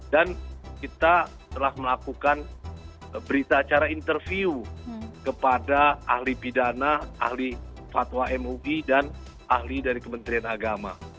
dan kita telah melakukan berita acara interview kepada ahli pidana ahli fatwa mui dan ahli dari kementerian agama